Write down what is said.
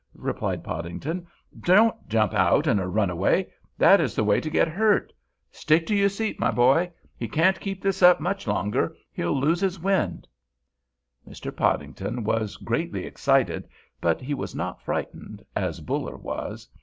replied Podington. "Don't jump out in a runaway; that is the way to get hurt. Stick to your seat, my boy; he can't keep this up much longer. He'll lose his wind!" Mr. Podington was greatly excited, but he was not frightened, as Buller was.